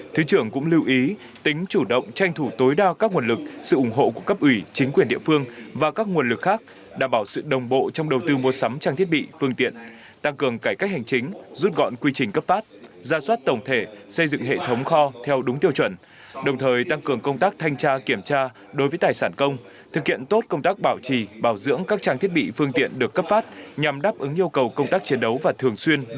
thứ trưởng cũng lưu ý tính chủ động tranh thủ tối đa các nguồn lực sự ủng hộ của cấp ủy chính quyền địa phương và các nguồn lực khác đảm bảo sự đồng bộ trong đầu tư mua sắm trang thiết bị phương tiện tăng cường cải cách hành chính rút gọn quy trình cấp phát gia soát tổng thể xây dựng hệ thống kho theo đúng tiêu chuẩn đồng thời tăng cường công tác thanh tra kiểm tra đối với tài sản công thực hiện tốt công tác bảo trì bảo dưỡng các trang thiết bị phương tiện được cấp phát nhằm đáp ứng nhu cầu công tác chiến đấu và thường xuy